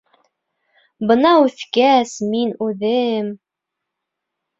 Бына үҫкәс, мин үҙем...